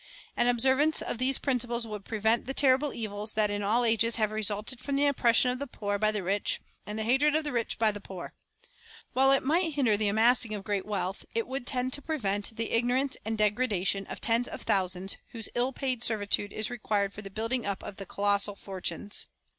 An observance of these principles would prevent the terrible evils that in all ages have resulted from the oppression of the poor by the rich and the hatred of the rich by the poor. While it might hinder the amassing of great wealth, it would tend to prevent the ignorance and degradation of tens of thousands whose ill paid servitude is required for the building up of these colossal fortunes.